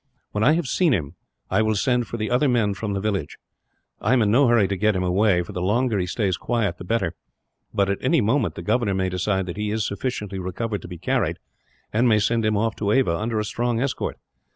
When I have seen him, I will send for the other men from the village. I am in no hurry to get him away, for the longer he stays quiet, the better. But at any moment the governor may decide that he is sufficiently recovered to be carried, and may send him off to Ava, under a strong escort.